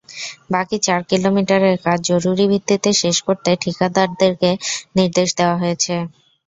বাকি চার কিলোমিটারের কাজ জরুরি ভিত্তিতে শেষ করতে ঠিকাদারকে নির্দেশ দেওয়া হয়েছে।